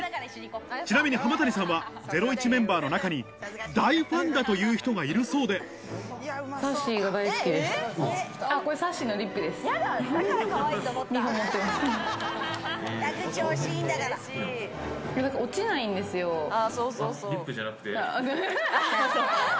ちなみに濱谷さんは『ゼロイチ』メンバーの中に大ファンだという人がいるそうでハハハハハ！